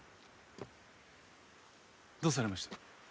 どうされました？